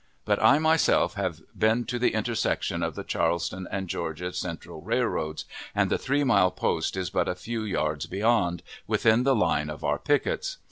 But I myself have been to the intersection of the Charleston and Georgia Central Railroads, and the three mile post is but a few yards beyond, within the line of our pickets.